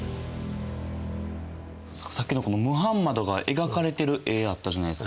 さっきのムハンマドが描かれてる絵あったじゃないですか。